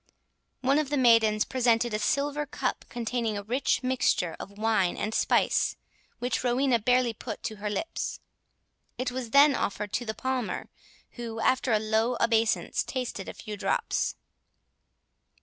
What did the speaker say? One of the maidens presented a silver cup, containing a rich mixture of wine and spice, which Rowena barely put to her lips. It was then offered to the Palmer, who, after a low obeisance, tasted a few drops.